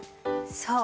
そう。